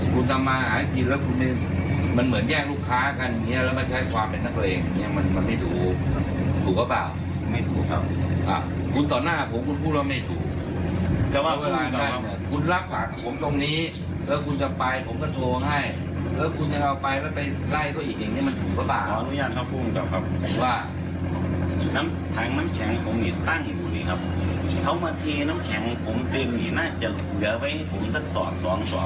เขามาเทน้ำแข็งผมเต็มนี่น่าจะหัวไว้ให้ผมสักสองสองสอง